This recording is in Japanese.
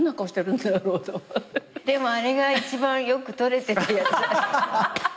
でもあれが一番よく撮れてたやつ。